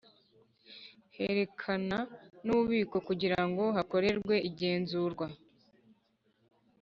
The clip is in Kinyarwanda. Berekana n’ububiko kugira ngo hakorerwe igenzurwa